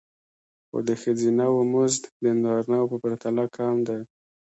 خو د ښځینه وو مزد د نارینه وو په پرتله کم دی